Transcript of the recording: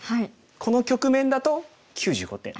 この局面だと９５点。